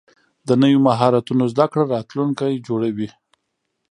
د نوي مهارتونو زده کړه راتلونکی جوړوي.